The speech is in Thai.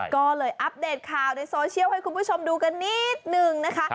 ก็เลยอัปเดตข่าวในโซเชียลให้คุณผู้ชมดูกันนิดนึงนะคะ